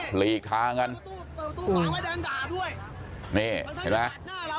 หลีกทางกันนี่ทีหลาย